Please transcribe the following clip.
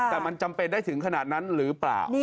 แต่มันจำเป็นได้ถึงขนาดนั้นหรือเปล่า